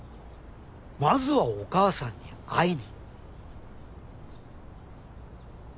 まずはお母さんに会いに。